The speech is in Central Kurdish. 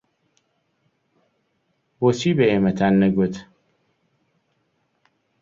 بۆچی بە ئێمەتان نەگوت؟